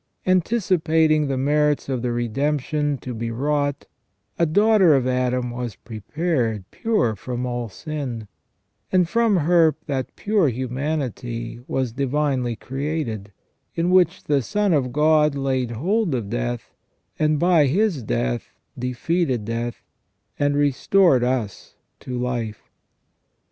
Anticipating the merits of the redemption to be wrought, a daughter of Adam was preserved pure from all sin, AND THE REDEMPTION OF CHRIST. 299 and from her that pure humanity was divinely created, in which the Son of God laid hold of death, and by His death defeated death, and restored us to life.